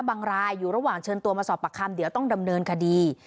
รายอยู่ระหว่างเชิญตัวมาสอบปากคำเดี๋ยวต้องดำเนินคดี